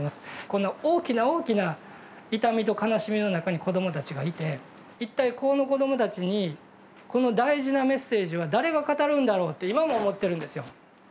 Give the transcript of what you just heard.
この大きな大きな痛みと悲しみの中に子どもたちがいて一体この子どもたちにこの大事なメッセージは誰が語るんだろうって今も思ってるんですよ。